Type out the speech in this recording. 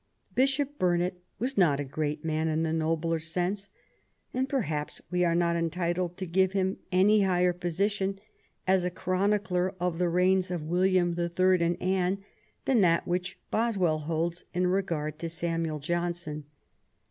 Bishop Burnet was not a great man in the nobler sense, and perhaps we are not entitled to give him any higher position as a chronicler of the reigns of William the Third and Anne than that which Boswell holds in regard to Samuel Johnson.